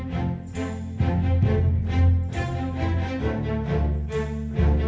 เจ้งคุณหมอว่าวันที่สามเมษจะกลับวันที่สี่ใช่ไหมคะ